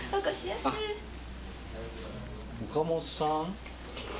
岡本さん？